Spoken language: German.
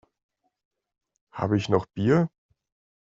Habe ich noch Bier?